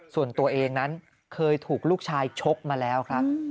ส่วนตัวเองนั้นเคยถูกลูกชายชกมาแล้วครับ